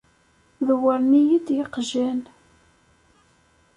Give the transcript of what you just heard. Dewwren-iyi-d yiqjan.